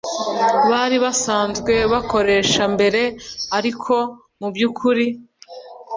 bari basanzwe bakoresha mbere, ariko mu by’ukuri,